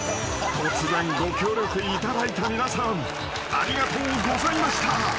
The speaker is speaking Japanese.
［突然ご協力いただいた皆さんありがとうございました］